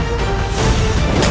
tidak ada yang bisa diberi